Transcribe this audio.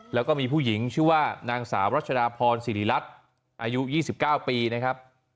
แล้วก็มีผู้หญิงชื่อว่านางสาวรัชดาพรสิริรัตน์อายุ๒๙ปีนะครับ